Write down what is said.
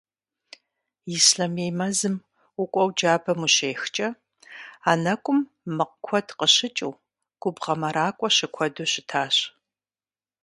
Ислъэмей мэзым укӏуэу джабэм ущехкӏэ, а нэкӏум мэкъу куэду къыщыкӏыу, губгъуэ мэракӏуэ щыкуэду щытащ.